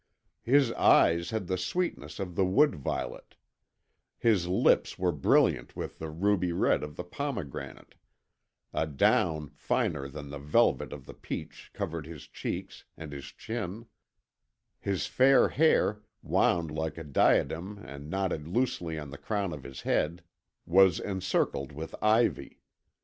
His eyes had the sweetness of the wood violet, his lips were brilliant with the ruby red of the pomegranate, a down finer than the velvet of the peach covered his cheeks and his chin: his fair hair, wound like a diadem and knotted loosely on the crown of his head, was encircled with ivy.